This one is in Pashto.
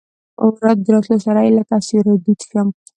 د راتلو سره یې لکه سیوری دود شم.